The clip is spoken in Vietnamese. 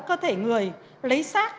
cơ thể người lấy xác